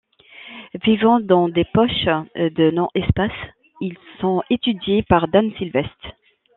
Vivants dans des poches de non-espace, ils sont étudiés par Dan Sylveste.